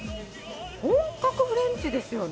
本格フレンチですよね？